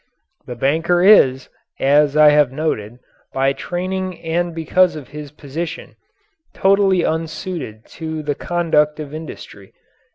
The banker is, as I have noted, by training and because of his position, totally unsuited to the conduct of industry.